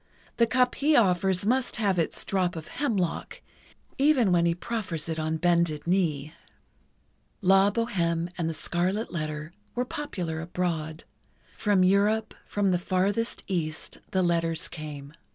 The cup he offers must have its drop of hemlock, even when he proffers it on bended knee." "La Bohême" and "The Scarlet Letter" were popular abroad. From Europe, from the farthest East, the letters came.